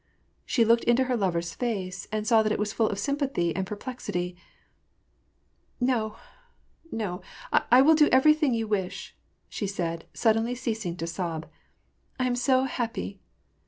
She looked into her lover's face, and saw that it was full of sym pathy and perplexity. "No, no, I will do everything you wish," she said, suddenly ceasing to sob. " I am so happy."